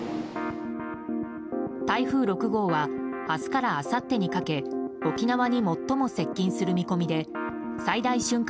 台風６号は明日からあさってにかけ沖縄に最も接近する見込みで最大瞬間